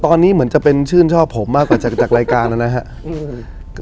ตอนนี้เหมือนจะเป็นชื่นชอบผมมากกว่าจากรายการนะครับ